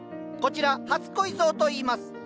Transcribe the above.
こちら初恋草といいます。